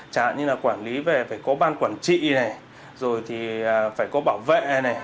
chẳng hạn như là quản lý phải có ban quản trị rồi thì phải có bảo vệ